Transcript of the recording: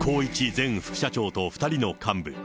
前副社長と２人の幹部。